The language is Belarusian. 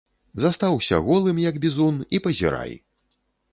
Застаўся голым як бізун і пазірай!